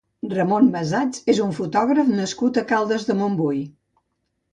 Ramon Masats és un fotògraf nascut a Caldes de Montbui.